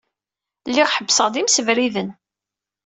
Lliɣ ḥebbseɣ-d imsebriden.